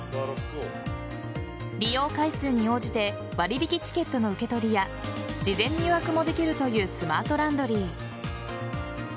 利用回数に応じて割引チケットの受け取りや事前に予約もできるというスマートランドリー。